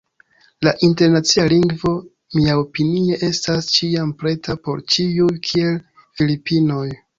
La Internacia Lingvo, miaopinie estas ĉiam preta por ĉiuj, kiel Filipinoj.